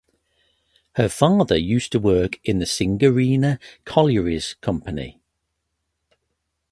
Her father used to work in the Singareni Collieries Company.